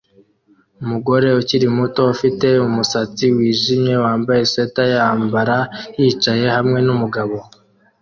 Umugore ukiri muto ufite umusatsi wijimye wambaye swater yambara yicaye hamwe numugabo